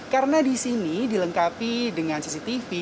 karena di sini dilengkapi dengan cctv